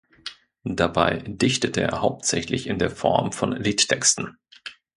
Dabei dichtete er hauptsächlich in der Form von Liedtexten.